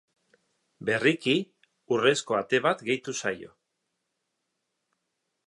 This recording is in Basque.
Berriki, urrezko ate bat gehitu zaio.